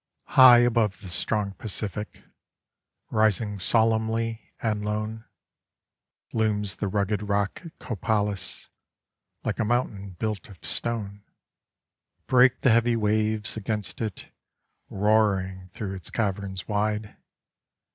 High above the strong Pacific, rising solemnly and lone Looms the rugged rock, Copalis, like a moun tain built of stone. Break the heavy waves against it, roaring through its caverns wide.